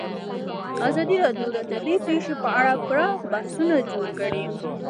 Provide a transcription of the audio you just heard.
ازادي راډیو د طبیعي پېښې په اړه پراخ بحثونه جوړ کړي.